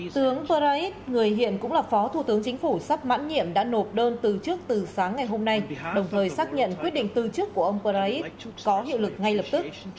tướng parait người hiện cũng là phó thủ tướng chính phủ sắp mãn nhiệm đã nộp đơn từ chức từ sáng ngày hôm nay đồng thời xác nhận quyết định từ chức của ông parait có hiệu lực ngay lập tức